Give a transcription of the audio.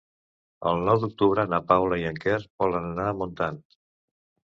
El nou d'octubre na Paula i en Quer volen anar a Montant.